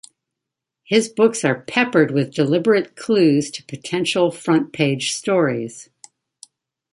His books are peppered with deliberate clues to potential front-page stories.